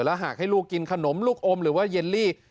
หากให้ลูกกินขนมลูกอมหรือว่าเยลลี่